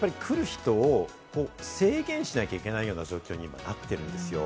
来る人を制限しなきゃいけないような状況に今なってるんですよ。